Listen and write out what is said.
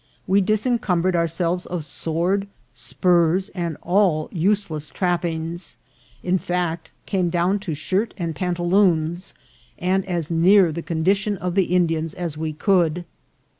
"We disencumbered ourselves of sword, spurs, and all use less trappings ; in fact, came down to shirt and panta loons, and as near the condition of the Indians as we could.